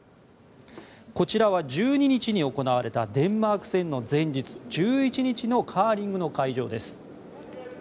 こちらは１２日に行われたデンマーク戦の前日１１日のカーリングの会場です。